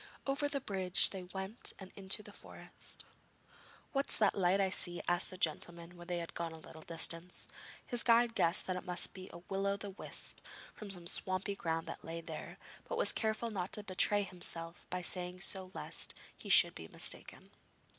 Over the bridge they went and into the forest. 'What is that light I see?' asked the gentleman when they had gone a little distance. His guide guessed that it must be a will o' the wisp from some swampy ground that lay there, but was careful not to betray himself by saying so lest he should be mistaken.